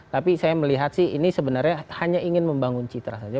tapi saya melihat sih ini sebenarnya hanya ingin membangun citra saja